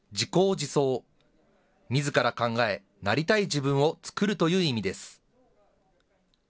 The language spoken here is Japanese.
自創、みずから考え、なりたい自分を創るという意味です。